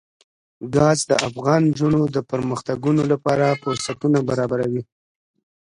ګاز د افغان نجونو د پرمختګ لپاره فرصتونه برابروي.